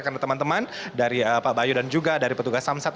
karena teman teman dari pak bayu dan juga dari petugas samsat